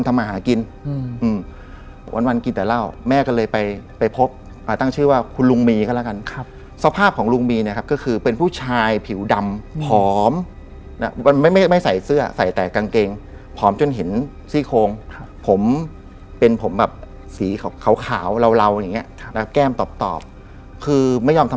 ที่นี้ที่บ้านบอมเขาก็เชื่อ